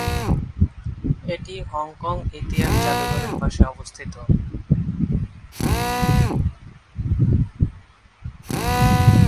এটি হংকং ইতিহাস জাদুঘরের পাশে অবস্থিত।